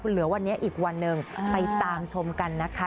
เหลือวันนี้อีกวันหนึ่งไปตามชมกันนะคะ